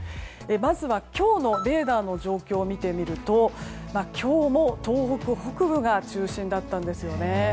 まずは今日のレーダーの状況を見てみると今日も東北北部が中心だったんですよね。